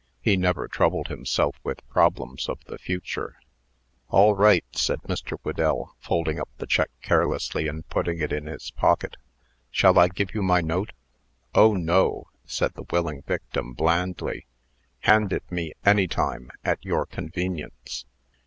He never troubled himself with problems of the future. "All right," said Mr. Whedell, folding up the check carelessly, and putting it in his pocket. "Shall I give you my note?" "Oh, no!" said the willing victim, blandly. "Hand it me any time, at your convenience."